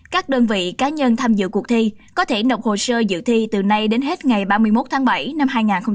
các đơn vị cá nhân tham dự cuộc thi có thể đọc hồ sơ dự thi từ nay đến hết ngày ba mươi một tháng bảy năm hai nghìn hai mươi